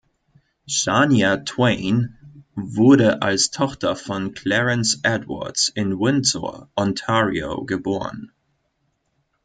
Shania Twain wurde als Tochter von Clarence Edwards in Windsor, Ontario geboren.